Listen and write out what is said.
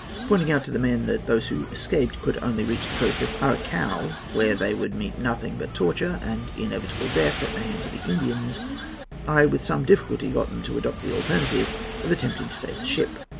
Pointing out to the men that those who escaped could only reach the coast of Arauco, where they would meet nothing but torture and inevitable death at the hands of the Indians, I with some difficulty got them to adopt the alternative of attempting to save the ship.